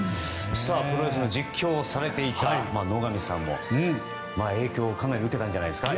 プロレスの実況をされていた野上さんも影響をかなり受けたんじゃないですか？